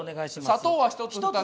砂糖は１つ２つ。